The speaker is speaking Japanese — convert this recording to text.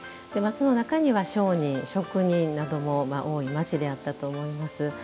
その中には、商人職人なども多い街であったと思います。